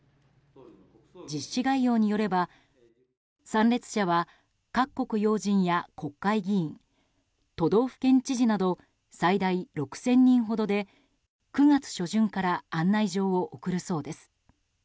実施概要によれば参列者は、各国要人や国会議員都道府県知事など最大６０００人ほどで９月初旬から案内状を送るそうです。